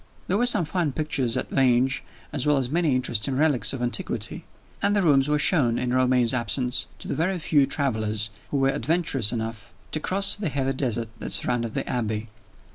There were some fine pictures at Vange, as well as many interesting relics of antiquity; and the rooms were shown, in Romayne's absence, to the very few travelers who were adventurous enough to cross the heathy desert that surrounded the Abbey.